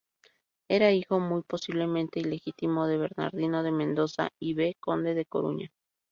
Era hijo, muy posiblemente ilegítimo, de Bernardino de Mendoza, V conde de Coruña.